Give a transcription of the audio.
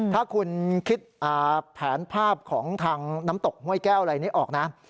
ถ้าคุณคิดแผนภาพของทางน้ำตกห้วยแก้วอะไรนี้ออกนะ